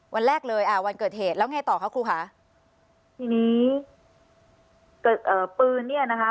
วันแรกเลยอ่าวันเกิดเหตุแล้วไงต่อคะครูคะทีนี้เอ่อปืนเนี่ยนะคะ